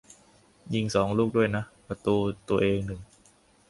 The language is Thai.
ยิงสองลูกด้วยนะ ประตูตัวเองหนึ่ง